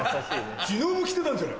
自分も来てたんじゃない。